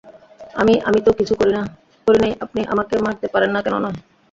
আমি, আমি তো কিছু করি নাই আপনি আমাকে মারতে পারেন না কেন নয়?